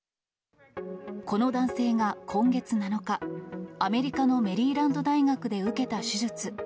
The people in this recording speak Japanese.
この男性が今月７日、アメリカのメリーランド大学で受けた手術。